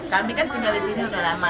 kami kan tinggal disini udah lama